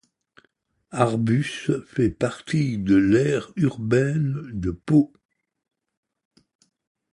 Arbus fait partie de l'aire urbaine de Pau.